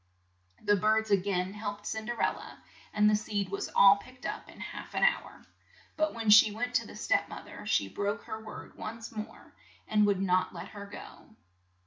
The birds a gain helped Cin der el la, and the seed was all picked up in half an hour. But when she went to the step moth er she broke her word once more, and would not let her go.